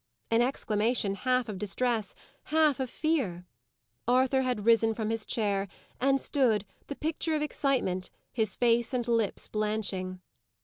An exclamation half of distress, half of fear. Arthur had risen from his chair, and stood, the picture of excitement, his face and lips blanching.